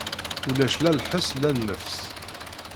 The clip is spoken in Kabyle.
Ulac la lḥes la nnefs.